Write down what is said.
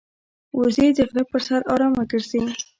وزې د غره پر سر آرامه ګرځي